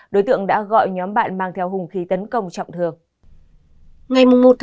đối tượng đã gọi nhóm bạn mang theo hùng khí tấn công trọng thường